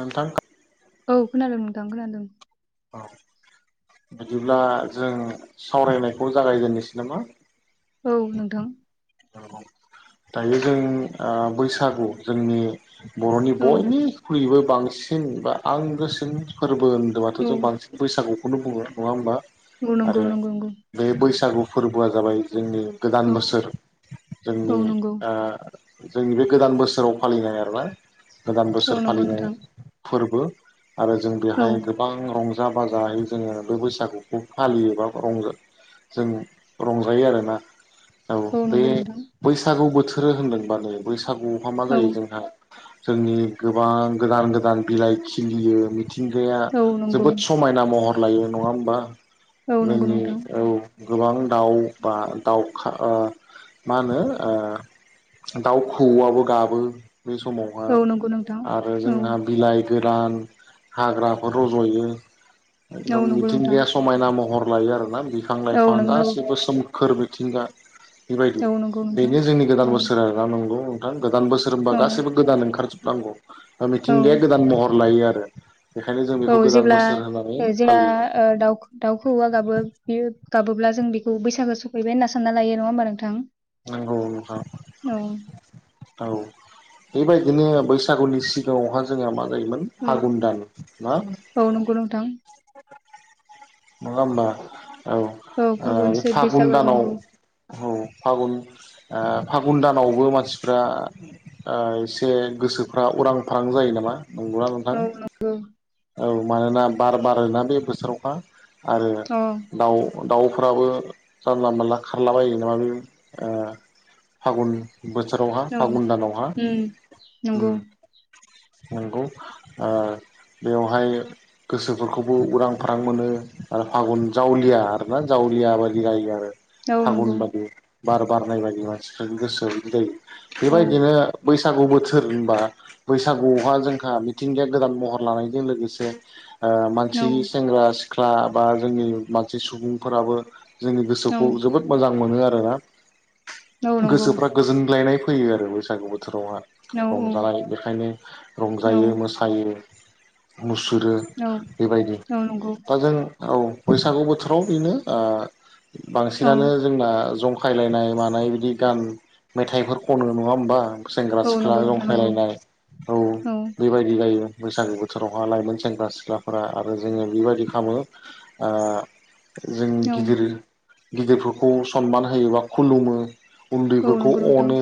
नोंथां औ खोनादों नोंथां खोनादों। औ बिदिब्ला जों सावरायनायखौ जागायजेननोसै नामा? औ नोंथां औ दायो जों ओ बैसागु जोंनि बर'नि औ बयनिखख्रुइबो बांसि सिन बा आंगोसिन फोर बो होन्दोंबाथ' औ जों बांसिन बैसागु खुनु बुंङो नङा होमबा? औ नंगौ आरो नंगौ नंगौ बे बैसागु फोरबोआ जाबाय जोंनि गोदान औ बोसोर औ जोंनि नंगौ ओ जोंनि बे गोदान बोसोराव फालिनाय आरोना। गोदान औ बोसोर नंगौ फालिनाय नोंथां फोरबो [inaudible] आरो जों औ बेहाय गोबां रं जा बाजायै जोङो बे बैसागुखौ फालियो बा रंजा जों रंजायो आरोना। औ बे नंगौ नोंथां बैसागु बोथो सोरो होनदोंबा [unintelligible] सागुआव मा औ जायो जोंहा जोंनि गोबां गोदान गोदान बिलाइ खिलियो बि थिंगाया औ नंगौ जोबोद समायना महर। खालायो नङा होमबा। औ नंगौ मोनि नोंथां औ गोबां दाव बा दावखा ओ मा होनो ओ दाव खौऔआबो गाबो। बे समावहा औ नंगौ नोंथां आरो औ जोंहा बिलाइ गोरान हाग्राफोर रज'यो। औ एकदम नंगौ नोंथां मिथिंगाया समायना महर लायो आरोना बिफां औ लाइफां नंगौ गासिबो सोम खोरबै थिंगा बेबायदि औ नंगौ नोंथां बेनो जोंनि गोदान औ बोसोर आरोना नंगौ। गोदान बोसोर होनबा औ गासैसिबो गोदान ओंखारज नांगौ। ओ मिथिंगाया गोदान महर लायो आर ओ औ जेब्ला ओ जेया फालियो ओ दाव -दाव खौऔआ गाबो बियो गाबोब्ला जों बेखौ बैसागो सफैबाय होनना सानना लायो नंङा होमबा नोंथां? नोंगौ नोंथां औ औ बेबायदिनो बैसागुनि सिगांङावहा जोंहा मा जायोमोन औ फघुन दान ना? औ नंगौ नोंथां नंङा होमबा? औ औ फागुन ओ सैथ फागुन बैसागो औ दानाव नंगौ औ फागुन ओ फागुन दानावबो मानसिफ्रा ओ एसे गोसोफ्रा उरां फारां जायो नामा? नंगौआ औ नोंथां? नंगौ औ मानोना बार बारोना बे बोसोरावखा आरो औ दाव- दाव फ्राबो जानला मोनला खारलाबायो नामा बे ओ फागुन बोथोरावहा औ फागुन दानावहा उम नंगौ नंगौ ओ बेवहाय गोसोफोरखौबो उरां फारां मोनो ओ फागुन जावलिया आरोना जावलिया बायदि जायो आरो। औ नंगौ फागुन बादि बार बारनाय बादि मानसिफोरनि गोसोआव बिदि जायो। औ बेबायदिनो बैस सागु बोथोर होनबा बैसागुआवहा जोंहा मिथिंगाया गोदान महर लानाय जों लोगोसे ओ औ मानसिनि सेंग्रा सिख ख्ला बा जोंनि मानसि सुबुंफोराबो। जोंनि औ गोसोखौ जोबोद मोजां मोनो आ औ [unintelligible] नंगौ गोसोफ्रा गोजोनग्लायनाय फैयो आरो बैसागु बो थोरावहा औ रंजानाय बेखायनो औ रंजायो मोसायो। मुस सुरो औ बेबायदि औ नंगौ दा जों औ बैसागु बोथोराव इनो ओ औ बांसिनानो जोंना जं जंखायलायनाय मानाय बिदि गान मेथाइफोर खनो नङा होमबा सेंग्रा औ सिख्ला नंगौ नोंथां नंगौ जंखायलायनाय औ बेबायदि जायो। बैसागु बो थोरावहा लाइमोन सेंग्रा सिख्लाफोरा आरो जोङो बेबायदि खामो ओ जों औ गिदिर गिदिरफोरखौ सनमान होयोबा खुलुमो। औ उन्दैफोरखौ नंगौ नोंथां अनो।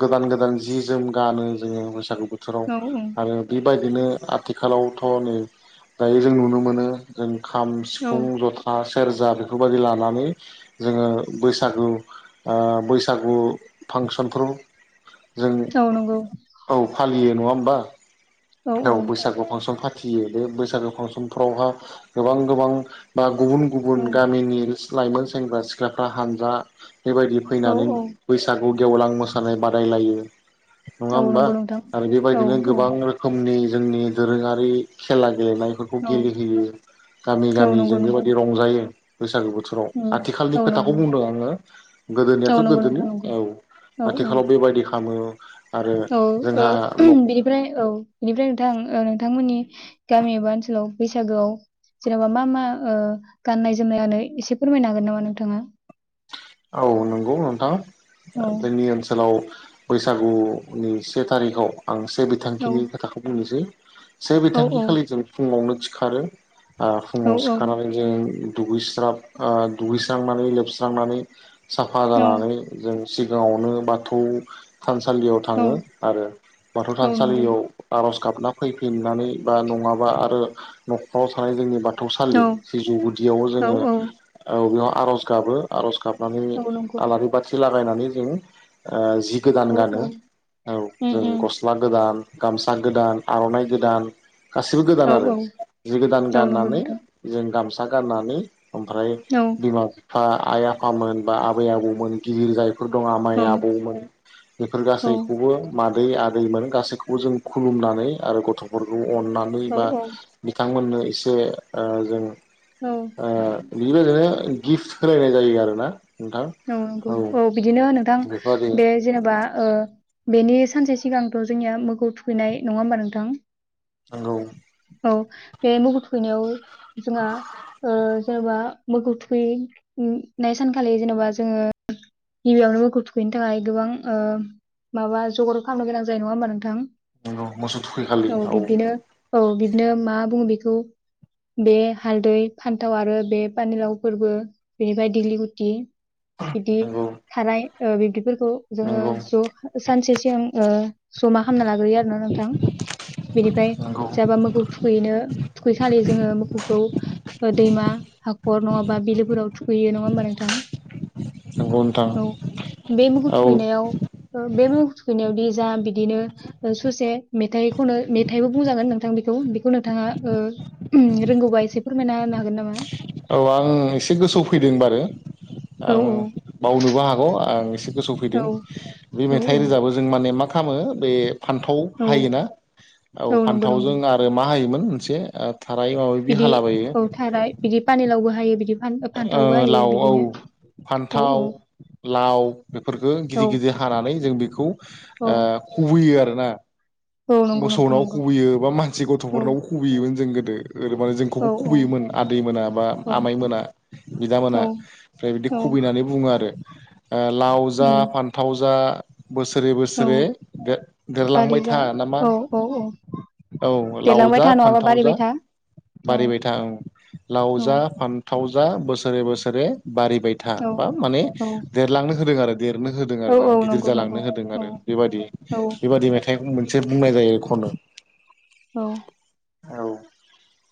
गोदान गोदान जि जोम गानो जोङो बोसागु बोथोराव औ आरो बिर बायदिनो आ आथिखालावथ' नै दायो जों नुनो मोनो जों खाम सिफुं जथा सेरजा बेफोरबायदि लानानै जोङो बैसागु ओ बैसागु फांसनफोर जों औ नंगौ औ फालियो नङा होम बा। औ बैसागु फांसन फाथ फियो बे बैसागो फांसनफ्रावहा गोबां गोबां बा गुबुन गुबुन औ गामिनि [unintelligible] लाइमोन सेंग्रा सिख्लाफ्रा हानजा बेबायदि औ फैनानै बैसाग औ गेवलां मोसानाय बादायलायो। नङा औ होमबा नंगौ नोंथां आरो औ बेबायदिनो गोबां रो नि जोंनि दोरोङारि खेला गेलेनायफोरखौ औ गेलेहोयो गामि औ नंगौ गामिजों नंगौ बेबायदि रंजायो। बैसागो बोथ थोराव उम आथिखालनि औ खोथाखौ नंगौ बुंदों आङो औ गोदोनियाथ' नंगौ गोदोनि नोंथां नंगौ औ औ औ आथिखालाव बेबायदि खालामो। [inaudible] औ ओ जोंहा बिनिफ्राय औ। बेनिफ्राय नोंथां नोंथांमोननि गामि एबा ओनसाव बैसागोआव जेन'बा मा मा ओ गान्नाय जोमनायानो एसे फोरमायनो हागोन नामा नोंथाङा? औ नंगौ नोंथां। औ जोंनि ओनसोलाव बैसागुनि से थारिखआव आं से औ बिथांखिनि खोथाखौ बुंनोसै। से औ बिथांखि औ खालि जों फुङावनो सिखारो। ओ फुङाव औ सिखारनानै जों दुगैस्राब ओ दुगैस्रांनानै लोबस्रांनानै साफा औ जानानै जों सिगाङावनो बाथौ थानसालियाव औ थाङो आरो बाथौ औ नंगौ थानसालियाव आर'ज गाबना फैफिननानै बा नङाबा आरो न'खराव थानाय जोंनि बाथ औ बाथौसालि सिजौ गुदियाव औ जोङो औ ओ बेयाव आर'ज गाबो आर'ज गाब औ नंगौ आलारि बाथि ला नायनानै जोङो ओ जि गोदान औ औ गानो औ उम जों उम गस्ला गोदान। गामसा गोदान आर'नाइ गोदान गासिबो गोदान औ आरो जि गोदान औ नंगौ गाननानै नोंथां जों गामसा गाननानै ओमफ्राय औ बिमा बिफा आइ आफा फामोन बा आबै आबौमोन गिदिर जाय फोर दं आ माइ औ आबौमोन बेफोर औ गासैखौबो मा आदै आदैमोन गासैखौबो जों खुलुमनानै आरो गथ'फोरखौ अननानै औ बा बिथांमोननो एसे ओ जों औ ओ बेबायदिनो गिफ्ट होलायनाय जायो आरो ना? औ नंगौ औ बिदिनो नोंथां बेफोरबादि बे जेनेबा ओ बेनि सानसे सिगांथ जोंनिया मोगौ थुखैनाय नङा होमबा नोंथां? नंगौ। औ बे मोसौ थुयैनायाव जोंहा ओ जेनेबा मोसौ थुयैनाय सानखालि जेनेबा जोङो गिबियावनो मोसौ थुखैनो थाखाय गोबां ओ माबा जगार खालामनो गोनां जायो नङा होमबा नोंथां? नोंगौ मोसौ थुखैखालि औ औ बिदिनो मा बुङो बेखौ बे हालदै फान्थाव आरो बे पानिलाव फोरबो बेनिफ्राय दैलि गुटि बिदि नंगौ थाराय ओ बिब्दिफोरखौ जोङो नंगौ ज सानसे सिगां ओ जमा खालामना लाग्रोयो आरोोना नोंथां। बेनिफ्राय नंगौ जाबा मोसौ थु थुखैनो थुखै खालि जोङो मोसौखौ दैमा हाखर नङाबा बिलोफोराव थुखैयो नङा होमबा नोंथां? नंगौ नोंथां औ बे मोसौ औ थुुबैनायाव बे मोसौ थुखैनायाव जा बिदिनो ससे मेथाइखौनो मेथाइबो बुंजागोन नोंथां बेखौ बेखौ नोंथाङा ओ रोंगौबा एसे फोरमायना होनो हागोन नामा औ आं एसे गोसोआव फैदों बाआरो औ औ आं बावनोबो हागौ आं एसे गोसोआव फैदों औ बे औ मेथाइ औ रोजाबो जों माने माख हामो बे फान्थाव औ हायोना औ नंगौ फान्थावजों नंगौ आरो मा हायोमोन? मोनसे आब बिदि औ थाराय बिदि पानि लावबो हायो बिदि फान्थावबो ओ हायो लाव औ बिदिनो औ औ फान्थाव लाव बेफोरखौ औ गिदिर गिदिर हानानै जों बेखौ औ ओ खुबैयोआरो ना औ नंगौ नोंथां मोसौनाव नंगौ खुबैयो बा मानसि औ गथफोरनाव खुबैयोमोन जों गो दो ओरै माने औ जोंखौबो खुबैयोमोन आदै मोना बा औ आमाइ मोना। बिदामोना औ ओमफ्राय बिदि औ खुबै होननानै बुङो आरो दय ओ लाव जा उम फान्थाव जा [inaudible] बोसोरै औ बोसोरै बारि दे-देरलांबाय जा था नामा औ औ औ औ लाव देरलांबाय जा था नङाबा फानथाव जा बारिबाय था औ बारिबाय था औ लाव औ जा फान्थाव जा बोसोरे बोसोरे बारिबाय था औ बा माने औ देरलांनो होदों आरो। देरनो होदों औ आरोना औ गिदिर नंगौ नंगौ जालांनो होदों औ आरो बेबायदि औ बेबायदि मेथाइ मोनसे बुंनाय जायो खननो उम। औ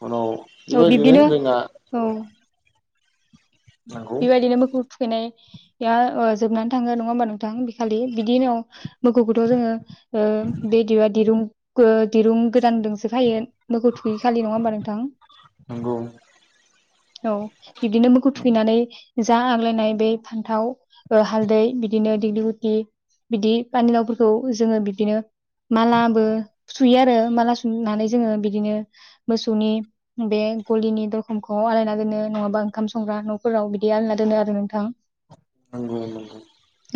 उनाव बेबायदिनो बिब्दिनो जोंना औ बेबायदिनो मोसौ थुखैनाय ओ ओ जोबनानै थाङो नङा होमबा नोंथां बे खालि बिदिनो मोखौखौथ' जोङो ओ बेदिआ दिरुं दिरुं गोदानजोंसो खायो। मोखौ थुखैखालि नङा होमबा नोंथां? नंगौ औ बिदिनो मोखौ थुखैनानै जा आग्लायनाय बे फान्थाव ओ हालदै बिदिनो दिग्लिलिथि बिदि पानि लावफोरखौ जोङो बिब्दिनो मालाबो सुयो आरो माला सुनानै जोङो बिदिनो मोसौनि बे गलिनि दरखंख' आलायना दोनो नङाबा ओंखाम संग्रा न'फोराव आलना दोनो आरो नोंथां। नंगौ नंगौ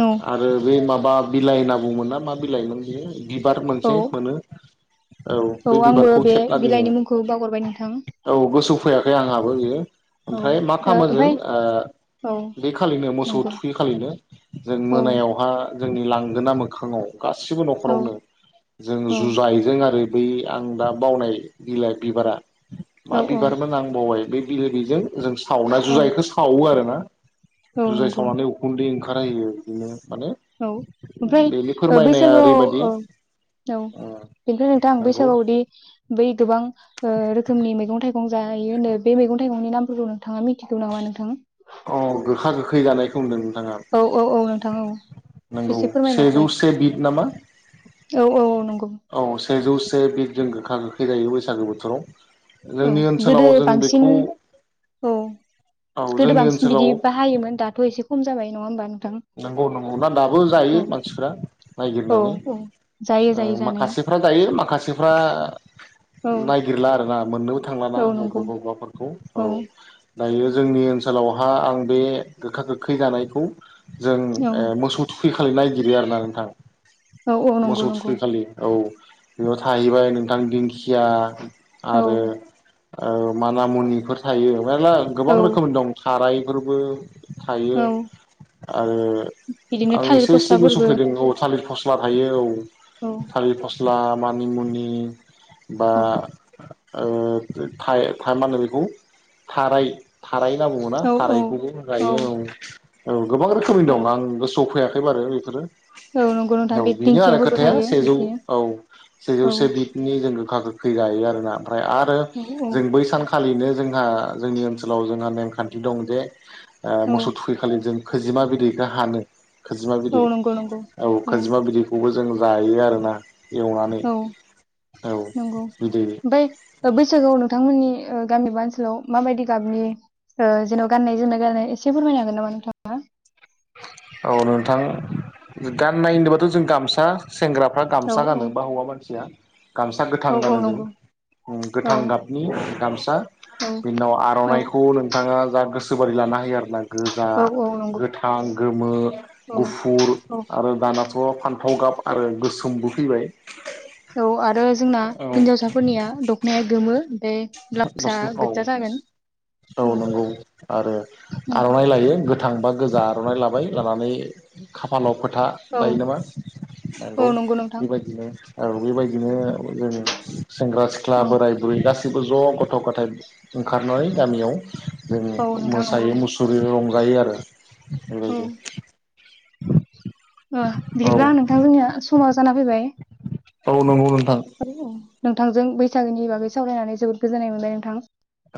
औ आरो बे माबा बिलाइ होनना बुंमोन ना मा बिलाइमोन बियो? बिबार औ मोनसे मोनो औ बे आंबो बिबारखौ बे खेबना दोनो बिलाइनि मुंखौ बावगारबाय नोंथां औ गोसौ फैयाखै आंहाबो बियो औ ओ ओमफ्राय मा खामो जों ओमफाय ओ औ बे खालिनो मोसौ मोसौ नंगौ थुखै खालिनो जों औ मोनायावहा जोंनि लांगोना मोखाङाव गासिबो औ न'खरावनो जों जुजायजों आरो बै आं दा बावनाय बिलाइ बिबारा औ मा औ बिबारमोन आं बावबाय लै। बेले बेजें जों सावना औ जुजायखौ सावो आरो ना औ जुजाय स नंगौ उखुन्दै ओंखारहायो बिदिनो माने औ ओमफ्राय बेनि फोरमायनाया बैसागोआव ओरैबायदि ओ औ ओ बेनिफ्राय नोंथां नंगौ बैसागोआवदि बै गोबां ओ रोखोमनि मैगं थाइगं जायोनो बे मैगं थाइगंनि नामफोरखौ नो थाङा मिथिगौ नामा नोंथां? खै जानायखौ होनदों नोंथाङा औ औ औ नोंथां औ नंगौ एसे फोरमायना सेजौ होनाय से बिद नामा औ औ नंगौ औ सेजौसे से बि जों गोखा गोखै जायो बैसागो बोथोराव। औ जोंनि गोदो ओनसोलाव जों बांसिन बेखौ औ औ गोदो जोंनि बांसिन ओनसोलाव बिदि बाहायोमोन दाथ' एसे खम जाबाय। नङा होमबा नोंथां नंगौ नंगौ ना दाबो जायो औ मानसिफ्रा औ नायगिरनानै औ जायो ओ जायो जानाया माखासेफ्रा जायो माखासेफ्रा औ नायगिरला आरोना। मोन्नो थांलाना औ बबा नंगौ बबाफोरखौ औ दायो जोंनि ओनसोलावहा आं बे गोखा गोखै जानायखौ जों औ ओ मोसौ थुखै खालि नायगिरो आरोना नोंथां औ औ नंगौ मोसौ नंगौ थुखै खालि औ। बेयाव थाहैबाय नोंथां दिंखिया औ आरो औ माना मुनिफोर थायो मेरला गोबां औ रोखोम दं थाराइ फोरबो थायो। औ आरो बिदिनो आं थालिर एसे एसे फस्लाफोरबो सौफैदों औ थालिर फस्ला थायो औ औ थालिर फस थ्ला मानिमुनि बा औ ओ थाइ-थारमाने बेखौ थाराय थाराय नाबुङोना औ थारायखौबो गायो औ। औ गोबां रोखोमनि औ दं आंबो गोसोआव फैयाख बबारो बेफोरो औ नंगौ नोंथां औ बे बेनो आरो दिंखियाफोरबो खोथाया थायो सेजौ बिदिनो औ औ सेजौसे बिदनि जों गोखा गोख खैगायो आरो ना फ्राय आरो औ औ जों बै सानखालिनो जोंहा जोंनि ओनसोलाव जोंहा नेमखान्थि दं जे ओ मोसौ औ थुखैखालि जों खोजिमा बिदैखौ हानो। खोजिमा बिदै औ नंगौ नंगौ औ खोजिमा बिदैखौबो जों जायो आरोना एवनानै औ औ नंगौ बिदै मफाय बैसागुआव नोंथांमोननि गामि बा ओनसोलाव माबायदि गाबनि ओ जेन' गाननाय जोमनाय गनो एसे फोरमायनो हागोन नामा नोंथाङा? औ नोंथां गाननाय होनदोबाथ' जों गामसा सेंग्राफ्रा औ गामसा औ गानो बा हौवा मानसिया गामसा गोथां औ गानो औ जों नंगौ औ गोथां गाबनि गामसा औ बिनि उनाव औ आर'नाइखौ नोंथाङा जा गोसोबादि लानो होयो आरो ना। गोजा, औ औ नंगौ गोथ आं गमो औ गफुर औ आरो दा दाथ' फान्थाव गाब आरो गोसोमबो फैबाय खौ आर आरो जोंना औ हिनजावसाफोरनिया दखनाया गोमो ओमफाय ब्लाउसआ दस औ गोज्जा जागोन। औ, औ। थांबा गोजा आर'नाइ लाबाय लानानै खाफालाव फो था लायो औ नामा नंगौ औ नोंथां बेबायदिनो औ बेबाय दिनो औ ओं सेंग्रा सिख्ला औ बोराय बुरै गासैबो ज' गथ' गथाय ओंखारनाय गामियाव जों औ नोंथां नंगौ मोसायो मुसुरो रं जायो आरो। औ बेबायदि [inaudible] ओ औ बिदिब्ला नोंथां जोंनिया समाव जाना फैबाय। औ नंगौ नोंथां। औ औ नोंथांजों बैसागोनि बागै सावरायनानै जोबोद गोजोननाय मोनबाय नोंथां।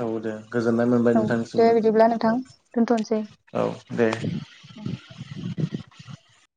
औ दे गोजोननाय मोनबाय औ दे बिदिब्ला नोंथांसिमबो नोंथां दोनथ'नोसै औ औ दे। [inaudible]